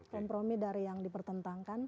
kompromi dari yang dipertentangkan